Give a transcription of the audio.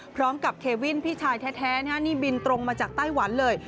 เควินพี่ชายแท้นี่บินตรงมาจากไต้หวันเลย